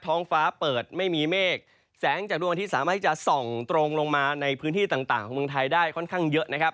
ท้องฟ้าเปิดไม่มีเมฆแสงจากดวงอาทิตยสามารถที่จะส่องตรงลงมาในพื้นที่ต่างของเมืองไทยได้ค่อนข้างเยอะนะครับ